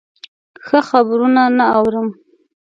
ښه خبرونه نه اورم.